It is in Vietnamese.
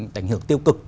đành hưởng tiêu cực